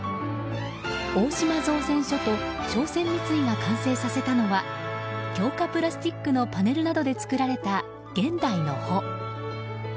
大島造船所と商船三井が完成させたのは強化プラスチックのパネルなどで作られた現代の帆。